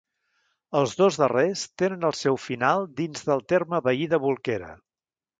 Els dos darrers tenen el seu final dins del terme veí de Bolquera.